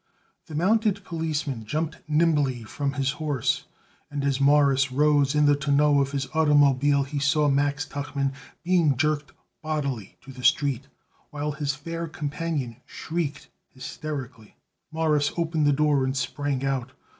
The mounted policeman jumped nimbly from his horse, and as Morris rose in the tonneau of his automobile he saw Max Tuchman being jerked bodily to the street, while his fair companion shrieked hysterically. Morris opened the door and sprang out.